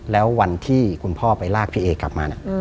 แล้ววันที่คุณพ่อไปลากพี่เอกลับมา